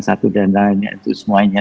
satu dan lainnya itu semuanya